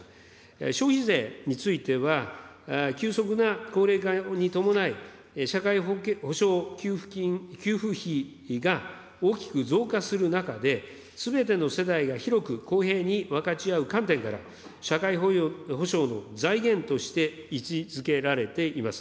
消費税については、急速な高齢化に伴い、社会保障給付費が大きく増加する中で、すべての世代が広く公平に分かち合う観点から、社会保障の財源として位置づけられています。